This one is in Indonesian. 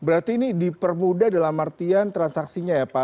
berarti ini dipermudah dalam artian transaksinya ya pak